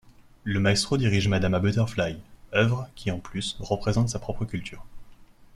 Le maestro dirige Madama Butterfly, œuvre qui en plus représente sa propre culture.